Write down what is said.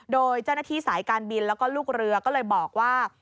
โดยเจ้าหน้าที่สายการบินแล้วก็ลูกเรือก็เลยบอกว่า